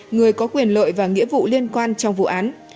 người có quyền lợi và nghĩa vụ liên quan trong vụ án